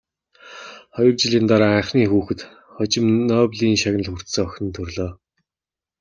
Хоёр жилийн дараа анхны хүүхэд, хожим Нобелийн шагнал хүртсэн охин нь төрлөө.